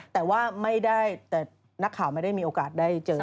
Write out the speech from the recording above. แต่ว่าไม่ได้แต่นักข่าวไม่ได้มีโอกาสได้เจอ